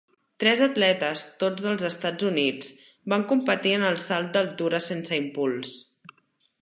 Tres atletes, tots dels Estats Units, van competir en el salt d'altura sense impuls.